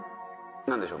何でしょう？